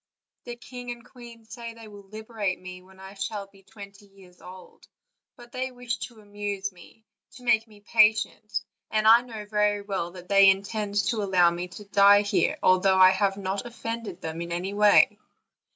The king and queen say that they will liberate me when I shall be twenty years old; but they wish to amuse me, to make me patient, and I know very well that they intend to allow me to die here, although I have not offended them in any way."